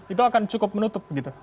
itu akan cukup menutup begitu